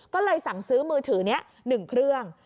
ก็เลยสั่งซื้อมือถือนี้๑เครื่อง